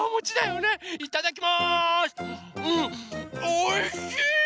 おいしい！